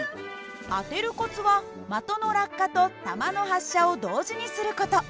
当てるコツは的の落下と球の発射を同時にする事。